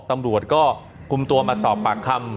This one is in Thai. ตำรวจก็คุมตัวมาสอบปากคำ